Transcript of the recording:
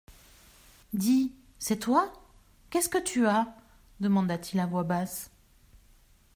Dis, c'est toi ? qu'est-ce que tu as ? demanda-t-il à voix basse.